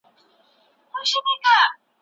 سياسي پوهان د خپلي ټولني په اړه ژوري څېړني کوي.